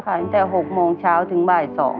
ขายแต่หกโมงเช้าถึงบ่ายสองค่ะ